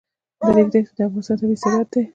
د ریګ دښتې د افغانستان طبعي ثروت دی.